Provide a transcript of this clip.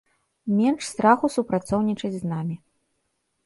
Менш страху супрацоўнічаць з намі.